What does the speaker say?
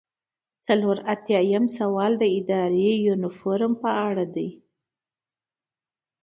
څلور ایاتیام سوال د اداري ریفورم په اړه دی.